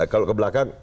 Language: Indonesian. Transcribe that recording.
kalau ke belakang